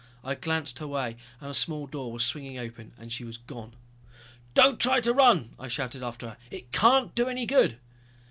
I glanced her way and a small door was swinging open and she was gone. "Don't try to run," I shouted after her, "it can't do any good!"